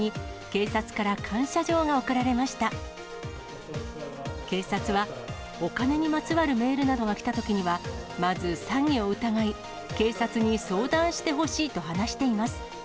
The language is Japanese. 警察は、お金にまつわるメールなどが来たときには、まず詐欺を疑い、警察に相談してほしいと話しています。